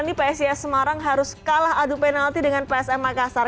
ini psis semarang harus kalah adu penalti dengan psm makassar